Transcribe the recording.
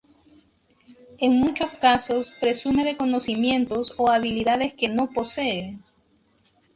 En muchos casos presume de conocimientos o habilidades que no posee.